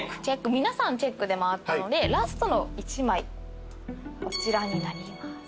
皆さんチェックで回ったのでラストの１枚こちらになります。